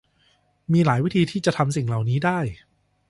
มีหลายวิธีที่จะทำสิ่งเหล่านี้ได้